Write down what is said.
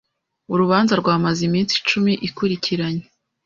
Urubanza rwamaze iminsi icumi ikurikiranye.